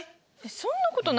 そんなことないよ。